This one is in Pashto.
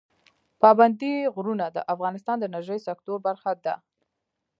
پابندی غرونه د افغانستان د انرژۍ سکتور برخه ده.